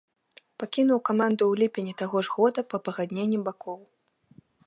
Пакінуў каманду ў ліпені таго ж года па пагадненні бакоў.